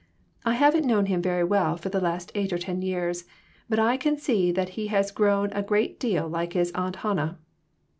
I haven't known him very well for the last eight or ten years ; but I can see that he has grown a great deal like his Aunt Hannah.